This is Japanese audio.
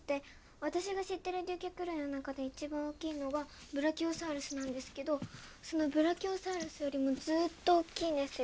私が知ってる竜脚類の中で一番大きいのはブラキオサウルスなんですけどそのブラキオサウルスよりもずっと大きいんですよ。